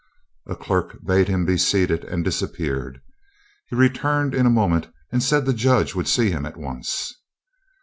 A clerk bade him be seated, and disappeared. He returned in a moment and said the Judge would see him at once.